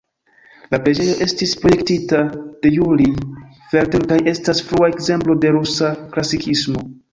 La preĝejo estis projektita de Jurij Felten kaj estas frua ekzemplo de rusa klasikismo.